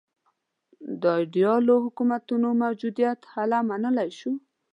د ایدیالو حکومتونو موجودیت هله منلای شو.